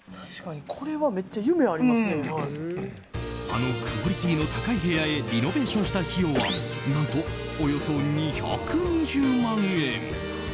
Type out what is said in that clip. あのクオリティーの高い部屋へリノベーションした費用は何と、およそ２２０万円。